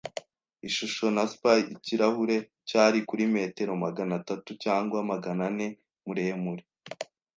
ishusho, na Spy-ikirahure, cyari kuri metero magana atatu cyangwa magana ane muremure